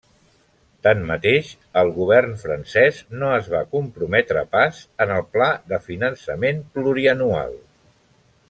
Tanmateix, el govern francès no es va comprometre pas en el pla de finançament plurianual.